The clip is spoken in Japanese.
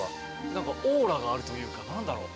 なんかオーラがあるというかなんだろう？